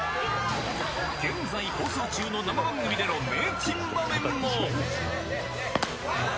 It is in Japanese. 現在放送中の生番組での名珍場面も。